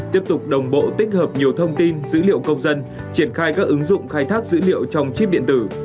tiếp tục đồng bộ tích hợp nhiều thông tin dữ liệu công dân triển khai các ứng dụng khai thác dữ liệu trong chip điện tử